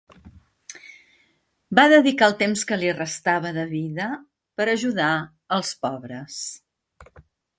Va dedicar el temps que li restava de vida per ajudar als pobres.